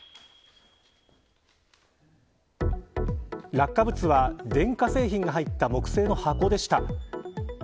落下物は電化製品が入った木製の箱でした。